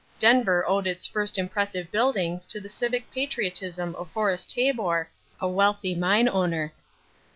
Denver owed its first impressive buildings to the civic patriotism of Horace Tabor, a wealthy mine owner.